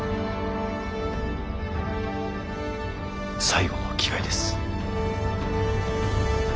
最後の機会です。